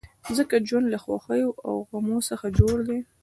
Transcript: ځکه ژوند له خوښیو او غمو څخه جوړ دی.